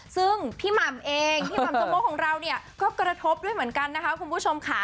ซึ่งพี่หม่ำเองพี่หม่ำจมกของเราเนี่ยก็กระทบด้วยเหมือนกันนะคะคุณผู้ชมค่ะ